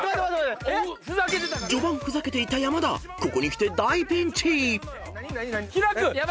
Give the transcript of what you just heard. ［序盤ふざけていた山田ここにきて大ピンチ！］